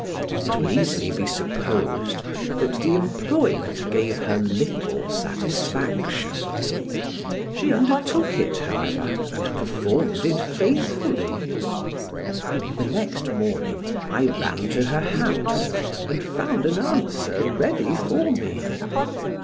It will easily be supposed that the employment gave her little satisfaction, she undertook it, however, and performed it faithfully. The next morning I ran to her house and found an answer ready for me.